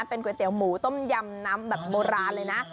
เป็นก๋วยเตี๋ยวหมูต้มยำน้ำแบบโบราณเลยนะ